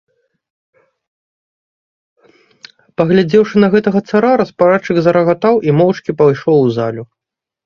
Паглядзеўшы на гэтага цара, распарадчык зарагатаў і моўчкі пайшоў у залю.